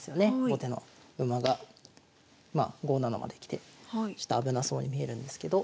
後手の馬がまあ５七まで来てちょっと危なそうに見えるんですけど。